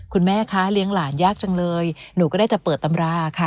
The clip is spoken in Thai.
คุณแม่คะเลี้ยงหลานยากจังเลยหนูก็ได้แต่เปิดตำราค่ะ